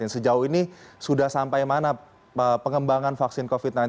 sejauh ini sudah sampai mana pengembangan vaksin covid sembilan belas